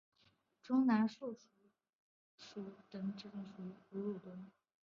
中南树鼠属等之数种哺乳动物。